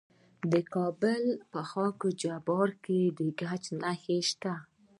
د کابل په خاک جبار کې د ګچ نښې شته.